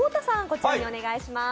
こちらにお願いします。